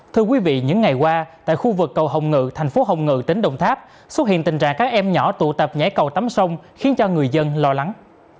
thưa quý vị những ngày qua tại khu vực cầu hồng ngự thành phố hồng ngự tỉnh đồng tháp xuất hiện tình trạng các em nhỏ tụ tập nhảy cầu tắm sông khiến cho người dân lo lắng